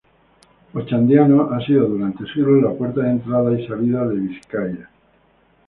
Ochandiano ha sido durante siglos la puerta de entrada y salida de Vizcaya.